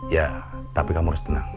ya tapi kamu harus tenang